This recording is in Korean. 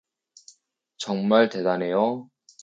정말 대단해요.